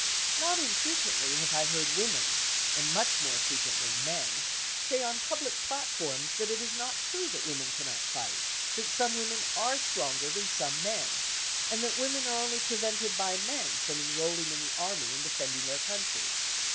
Not infrequently have I heard women, and much more frequently men, say on public platforms that it is not true that women cannot fight; that some women are stronger than some men, and that women are only prevented by men from enrolling in the army and defending their country.